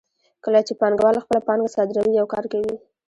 کله چې پانګوال خپله پانګه صادروي یو کار کوي